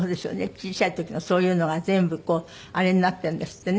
小さい時のそういうのが全部こうあれになってるんですってね。